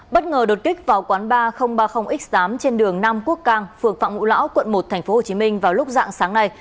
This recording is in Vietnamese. bất ngờ đột kích vào quán ba nghìn ba mươi x tám trên đường nam quốc cang phường phạm ngũ lão quận một tp hcm vào lúc dạng sáng nay